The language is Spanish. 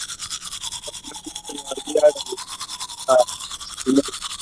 Posteriormente lo haría Galileo Galilei.